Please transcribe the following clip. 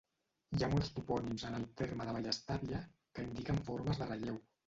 Hi ha molts topònims en el terme de Vallestàvia que indiquen formes de relleu.